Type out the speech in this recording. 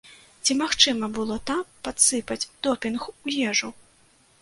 Ці магчыма было там падсыпаць допінг у ежу?